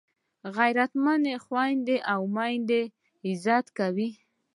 غیرتمند خویندي او میندې عزت کوي